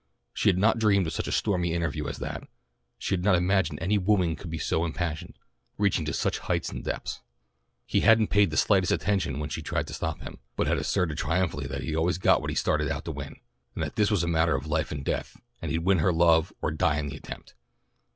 She had not dreamed of such a stormy interview as that, she had not imagined any wooing could be so impassioned, reaching to such heights and depths. He hadn't paid the slightest attention when she tried to stop him, but had asserted triumphantly that he always got what he started out to win, and that this was a matter of life and death, and he'd win her love or die in the attempt.